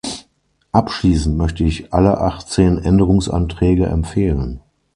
Abschließend möchte ich alle achtzehn Änderungsanträge empfehlen.